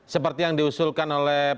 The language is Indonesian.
seperti yang diusulkan oleh